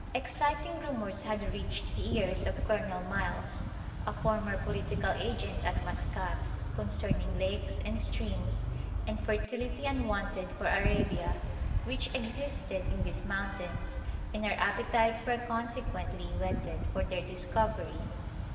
Exciting rumours had reached the ears of Colonel Miles, a former political agent at Maskat, concerning lakes and streams, and fertility unwonted for Arabia, which existed in these mountains, and our appetites were consequently whetted for their discovery.